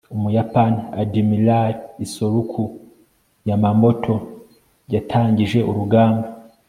umuyapani admiral isoroku yamamoto yatangije urugamba